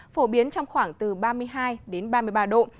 phổ biến trong khoảng từ ba mươi hai đến ba mươi ba độ